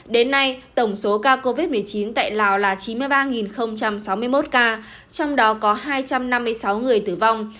đến nay tổng số ca covid một mươi chín tại lào là chín mươi ba sáu mươi một ca trong đó có hai trăm năm mươi sáu người tử vong